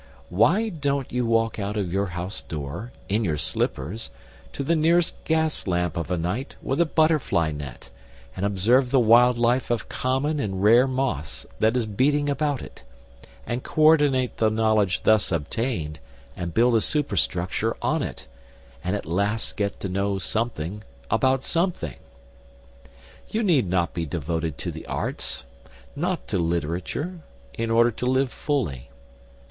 Why don't you walk out of your house door, in your slippers, to the nearest gas lamp of a night with a butterfly net, and observe the wild life of common and rare moths that is beating about it, and co ordinate the knowledge thus obtained and build a superstructure on it, and at last get to know something about something? You need not be devoted to the arts, not to literature, in order to live fully.